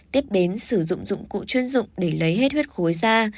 tiếp đến sử dụng dụng cụ chuyên dụng để lấy hết huyết khối da